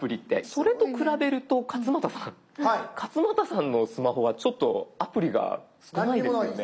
それと比べると勝俣さん勝俣さんのスマホはちょっとアプリが少ないですよね？